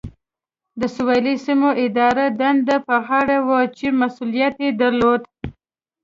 د سویلي سیمو اداري دنده یې په غاړه وه چې مسؤلیت یې درلود.